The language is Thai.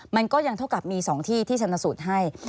มันก็ยังเท่ากับมี๒ที่ที่ชนสูตรให้